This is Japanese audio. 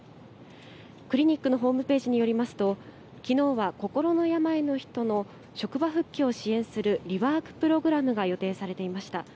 クリニックのホームページによりますときのうは心の病の人の職場復帰を支援するリワークプログラムが予定されていました。